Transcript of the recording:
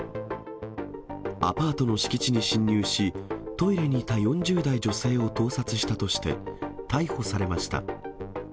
アパートの敷地に侵入し、トイレにいた４０代女性を盗撮したとして、逮捕されました。